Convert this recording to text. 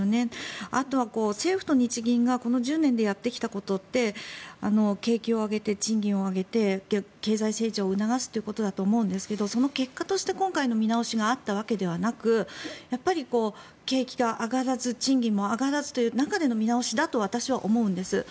あとは政府と日銀がこの１０年でやってきたことって景気を上げて賃金を上げて経済成長を促すということだと思うんですがその結果として今回の見直しがあったわけではなく景気が上がらず賃金も上がらずという中での見直しだと私は思うんです。